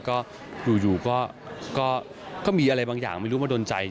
ก็อยู่ก็มีอะไรบางอย่างไม่รู้มาโดนใจ